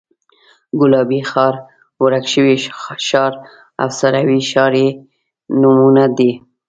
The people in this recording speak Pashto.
ګلابي ښار، ورک شوی ښار، افسانوي ښار یې نومونه دي.